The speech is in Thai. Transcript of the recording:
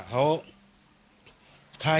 เขา